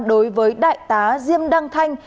đối với đại tá diêm đăng thanh